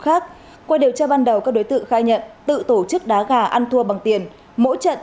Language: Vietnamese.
khác qua điều tra ban đầu các đối tượng khai nhận tự tổ chức đá gà ăn thua bằng tiền mỗi trận